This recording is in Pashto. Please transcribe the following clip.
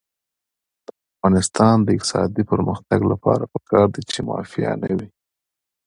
د افغانستان د اقتصادي پرمختګ لپاره پکار ده چې مافیا نه وي.